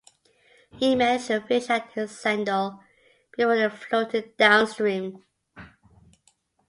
He managed to fish out his sandal before it floated downstream.